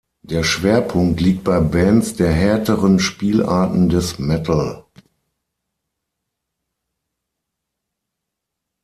Der Schwerpunkt liegt bei Bands der härteren Spielarten des Metal.